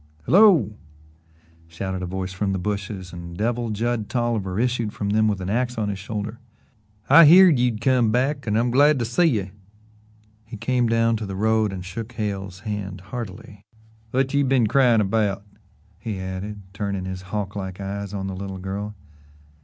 "Hello!" shouted a voice from the bushes, and Devil Judd Tolliver issued from them with an axe on his shoulder. "I heerd you'd come back an' I'm glad to see ye." He came down to the road and shook Hale's hand heartily. "Whut you been cryin' about?" he added, turning his hawk like eyes on the little girl.